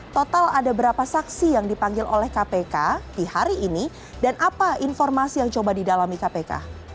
total ada berapa saksi yang dipanggil oleh kpk di hari ini dan apa informasi yang coba didalami kpk